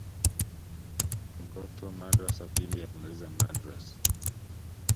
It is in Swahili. mtoto madrasa pindi akimaliza madrasa